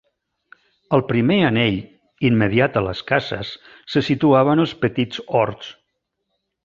Al primer anell, immediat a les cases, se situaven els petits horts